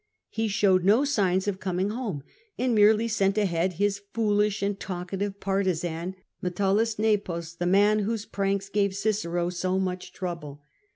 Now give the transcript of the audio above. He showed no signs of coming home, and merely sent ahead his foolish and talkative partisan Metellus Nepos, the man whose pranks gave Cicero so much trouble.